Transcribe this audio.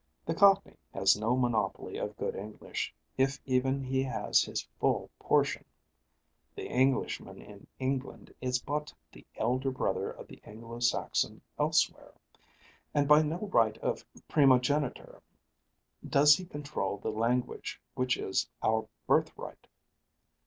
The cockney has no monopoly of good English if even he has his full portion. The Englishman in England is but the elder brother of the Anglo Saxon elsewhere; and by no right of primogeniture does he control the language which is our birthright.